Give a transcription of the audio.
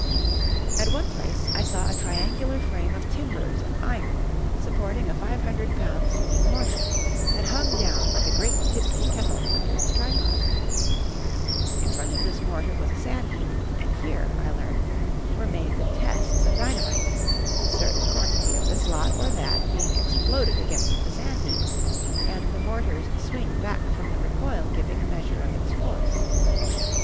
At one place I saw a triangular frame of timbers and iron supporting a five hundred pound swinging mortar, that hung down like a great gipsy kettle under its tripod. In front of this mortar was a sand heap, and here, I learned, were made the tests of dynamite, a certain quantity of this lot or that being exploded against the sand heap, and the mortar's swing back from the recoil giving a measure of its force.